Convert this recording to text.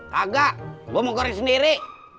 kagak gue mau goreng sendiri